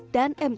dan di jawa barat